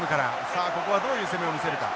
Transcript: さあここはどういう攻めを見せるか。